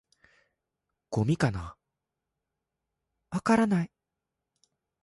「ゴミかな？」「わからない」